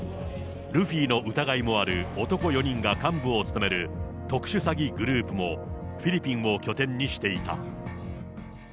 ルフィの疑いもある男４人が幹部を務める特殊詐欺グループも、フィリピンを拠点にしていた。